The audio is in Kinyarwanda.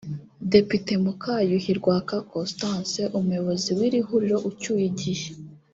Depute Mukayuhi Rwaka Constance umuyobozi w’ iri huriro ucyuye igihe